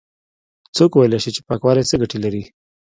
څوک ويلاى شي چې پاکوالی څه گټې لري؟